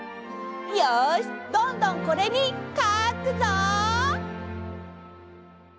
よしどんどんこれにかくぞ！